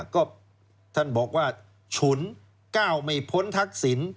ก็ท่านบอกว่าฉุนก้าวไม่พ้นทักษิณ